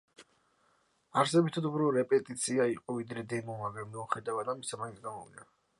არსებითად უფრო რეპეტიცია იყო, ვიდრე დემო, მაგრამ მიუხედევად ამისა, მაინც გამოვიდა.